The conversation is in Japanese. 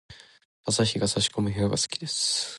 朝日が差し込む部屋が好きです。